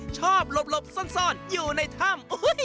หลบซ่อนอยู่ในถ้ำ